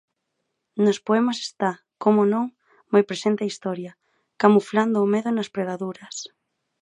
Nos poemas está, como non, moi presente a historia, camuflando o medo nas pregaduras.